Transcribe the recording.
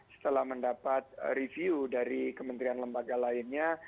setelah mendapat review dari kementerian lembaga lainnya